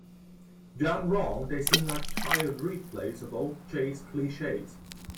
Done wrong, they seem like tired replays of old chase cliches.